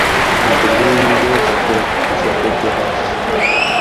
درین دوسہ پُت چپہ کرینش